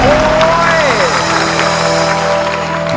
ไม่ใช้ไม่ใช้ไม่ใช้